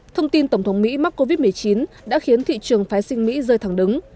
thông tin tổng thống mỹ mắc covid một mươi chín đã khiến thị trường phái sinh mỹ rơi thẳng đứng